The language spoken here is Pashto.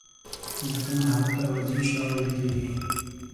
ځکه نو هغه ته غازي شاه ویل کېږي.